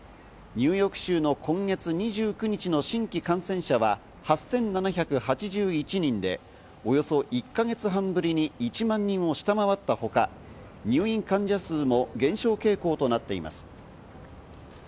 ニューヨーク州の今月２９日の新規感染者は、８７８１人でおよそ１か月半ぶりに１万人を下回ったほか、入院患者数も減少傾向となっています。